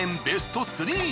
ベスト３。